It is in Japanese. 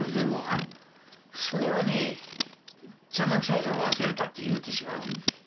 あっそれはね邪魔くさいから忘れたって言うてしまうんですよ。